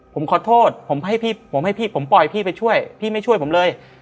ผมขอโทษผมให้พี่ผมให้พี่ผมปล่อยพี่ไปช่วยพี่ไม่ช่วยผมเลย